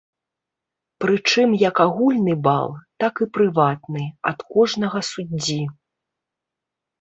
Прычым як агульны бал, так і прыватны, ад кожнага суддзі.